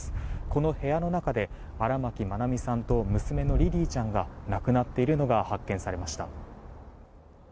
この部屋の中で荒牧愛美さんと娘のリリィちゃんが亡くなっているのが発見されました。